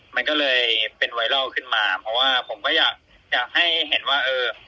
มันก็เลยเป็นไวรัลขึ้นมาเพราะว่าผมก็อยากอยากให้เห็นว่าเออ